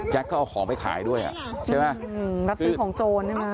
ก็เอาของไปขายด้วยอ่ะใช่ไหมรับซื้อของโจรใช่ไหม